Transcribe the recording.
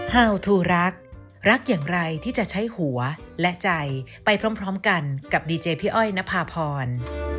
โปรดติดตามตอนต่อไป